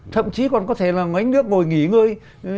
thậm chí còn có thể là ngánh nước ngồi nghỉ ngơi